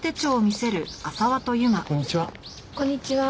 こんにちは。